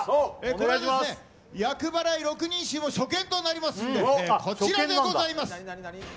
これはですね、厄払い六人衆も初見となりますんで、こちらでございます。